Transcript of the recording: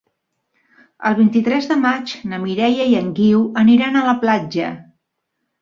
El vint-i-tres de maig na Mireia i en Guiu aniran a la platja.